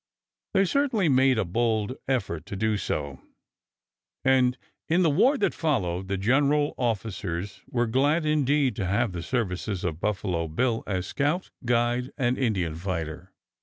They certainly made a bold effort to do so, and in the war that followed the general officers were glad indeed to have the services of Buffalo Bill as scout, guide, and Indian fighter.